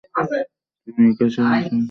তুমি ইকারিসের সাহায্য করছ কেন?